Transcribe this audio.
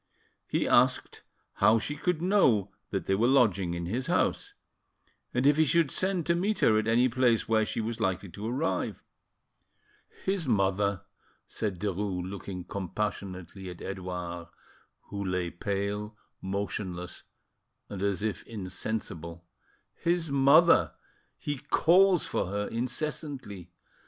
He asked how she could know that they were lodging in his house, and if he should send to meet her at any place where she was likely to arrive. "His mother," said Derues, looking compassionately at Edouard, who lay pale, motionless, and as if insensible,—"his mother! He calls for her incessantly.